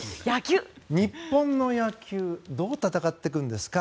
日本の野球どう戦っていくんでしょうか。